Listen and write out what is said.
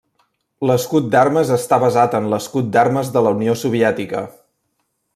L'escut d'armes està basat en l'escut d'armes de la Unió Soviètica.